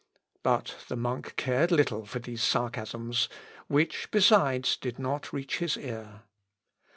But the monk cared little for these sarcasms, which, besides, did not reach his ear.